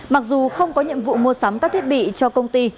mặc dù không có nhiệm vụ mua sắm các thiết bị cho công ty